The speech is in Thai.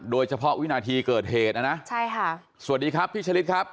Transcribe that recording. โดยเฉพาะวินาทีเกิดเหตุนะใช่ค่ะสวัสดีครับพี่ฉลิตครับ